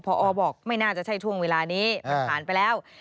พอบอกไม่น่าจะใช่ช่วงเวลานี้มันผ่านไปแล้ว